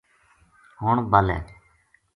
ہن بَل